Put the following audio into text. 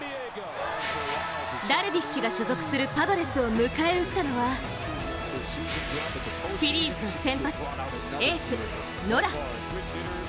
ダルビッシュが所属するパドレスを迎え撃ったのはフィリーズの先発エース・ノラ。